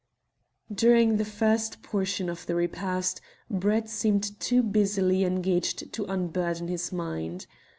During the first portion of the repast Brett seemed too busily engaged to unburden his mind.